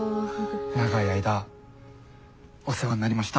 長い間お世話になりました。